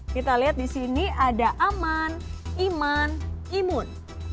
kita lihat di sini ada aman iman imun